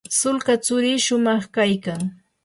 sulka tsurikiy shumaq kaykan.